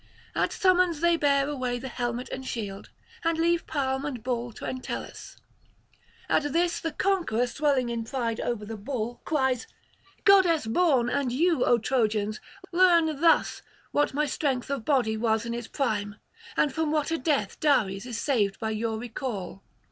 At summons they bear away the helmet and shield, and leave palm and bull to Entellus. At this the conqueror, swelling in pride over the bull, cries: 'Goddess born, and you, O Trojans! learn thus what my strength of body was in its prime, and from what a death Dares is saved by your recall.'